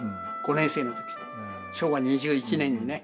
５年生の時昭和２１年にね。